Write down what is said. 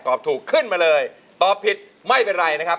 ถูกขึ้นมาเลยตอบผิดไม่เป็นไรนะครับ